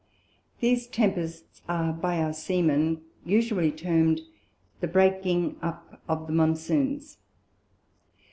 These Tempests are by our Seamen usually term'd, The breaking up of the Monsoons.